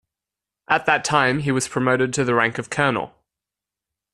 At that time he was promoted to the rank of colonel.